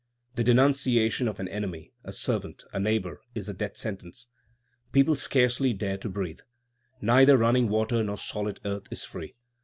The denunciation of an enemy, a servant, a neighbor, is a death sentence. People scarcely dare to breathe. Neither running water nor solid earth is free.